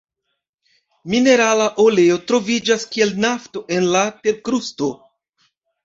Minerala oleo troviĝas kiel nafto en la terkrusto.